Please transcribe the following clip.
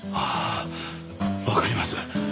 ああわかります。